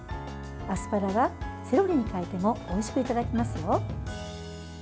アスパラはセロリに変えてもおいしくいただけますよ。